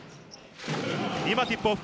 今、ティップオフ。